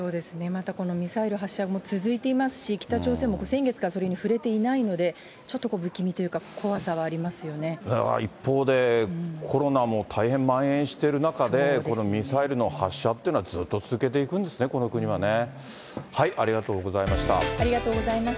またこのミサイル発射も続いていますし、北朝鮮も先月からそれに触れていないので、ちょっと不気味という一方で、コロナも大変まん延している中で、このミサイルの発射ってのは、ずっと続けていくんですね、この国はね。